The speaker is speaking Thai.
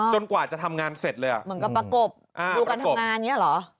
จนกว่าจะทำงานเสร็จเลยอ่ะเหมือนกับประกบอ่าประกบดูการทำงานเงี้ยเหรอ